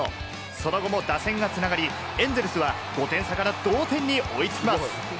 その後も打線が繋がり、エンゼルスは５点差から同点に追いつきます。